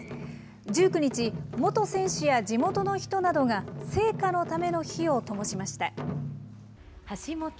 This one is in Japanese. １９日、元選手や地元の人などが、聖火のための火をともしました。